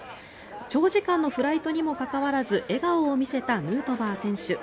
長時間のフライトにもかかわらず笑顔を見せたヌートバー選手。